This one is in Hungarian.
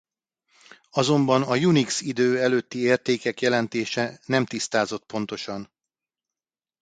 Azonban a Unix-idő előtti értékek jelentése nem tisztázott pontosan.